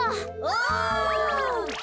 お！